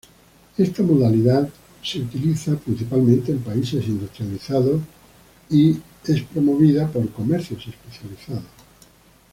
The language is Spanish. Esta modalidad es utilizada principalmente en países industrializados y es promovida por comercios especializados.